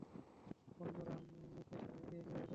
বন্ধুরা, ক্র্যাশ আর এডি একেবারে চলে গেছে।